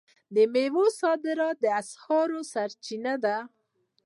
د میوو صادرات د اسعارو سرچینه ده.